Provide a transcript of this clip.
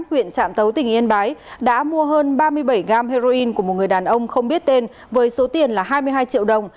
huyện trạm tấu tỉnh yên bái đã mua hơn ba mươi bảy gam heroin của một người đàn ông không biết tên với số tiền là hai mươi hai triệu đồng